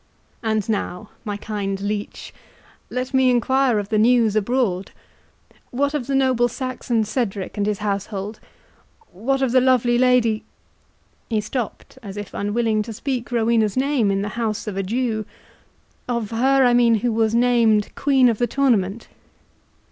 And now, my kind leech, let me enquire of the news abroad. What of the noble Saxon Cedric and his household?—what of the lovely Lady—" He stopt, as if unwilling to speak Rowena's name in the house of a Jew—"Of her, I mean, who was named Queen of the tournament?"